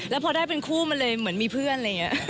แล้วพอได้เป็นคู่มันเลยเหมือนมีเพื่อน